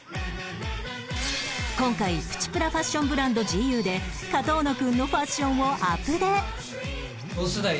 今回プチプラファッションブランド ＧＵ で上遠野くんのファッションをアプデ